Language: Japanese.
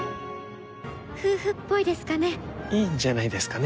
夫婦っぽいんですかね。